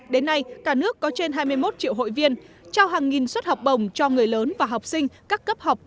đến nay cả nước có trên hai mươi một triệu hội viên trao hàng nghìn suất học bồng cho người lớn và học sinh các cấp học